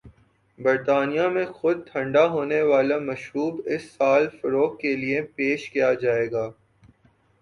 برطانیہ میں خود ٹھنڈا ہونے والا مشروب اسی سال فروخت کے لئے پیش کیاجائے گا۔